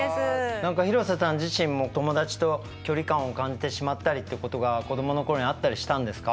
何か廣瀬さん自身も友達と距離感を感じてしまったりってことが子どものころにあったりしたんですか？